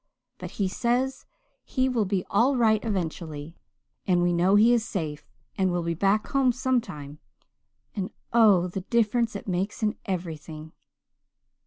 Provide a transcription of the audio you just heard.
But he says he will be all right eventually, and we know he is safe and will be back home sometime, and oh, the difference it makes in everything!